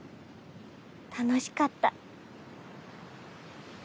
楽しかった。